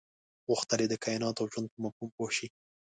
غوښتل یې د کایناتو او ژوند په مفهوم پوه شي.